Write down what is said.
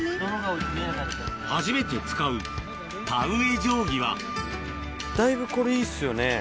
初めて使う田植え定規はだいぶこれいいっすよね。